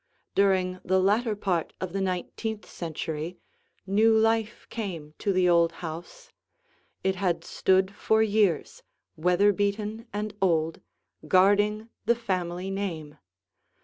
During the latter part of the nineteenth century, new life came to the old house. It had stood for years, weather beaten and old, guarding the family name.